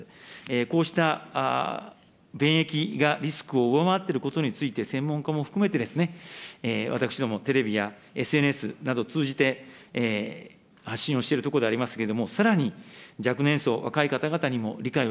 こうした便益がリスクを上回ってることについて、専門家も含めて私どもテレビやＳＮＳなどを通じて発信をしているところでありますけれども、さらに、若年層、若い方々にも理解を